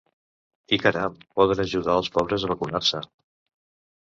I caram! podem ajudar als pobres a vacunar-se.